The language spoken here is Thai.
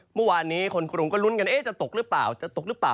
เมื่อวานนี้คนกรุงก็ลุ้นกันจะตกหรือเปล่าจะตกหรือเปล่า